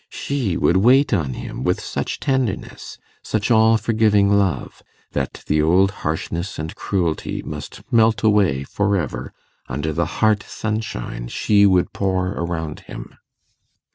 She would wait on him with such tenderness, such all forgiving love, that the old harshness and cruelty must melt away for ever under the heart sunshine she would pour around him.